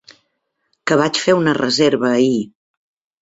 Que vaig fer un reserva ahir.